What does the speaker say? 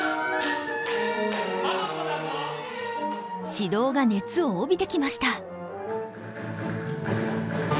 指導が熱を帯びてきました。